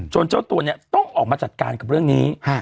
เจ้าตัวเนี่ยต้องออกมาจัดการกับเรื่องนี้